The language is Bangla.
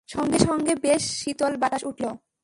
সঙ্গে সঙ্গে বেশ শীতল বাতাস উঠল।